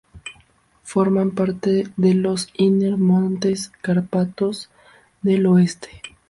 Forman parte de los Inner Montes Cárpatos del oeste.